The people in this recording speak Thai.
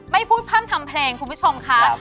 ไม่พูดพร่ำทำเพลงคุณผู้ชมค่ะ